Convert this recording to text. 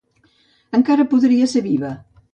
Encara podria ser viva.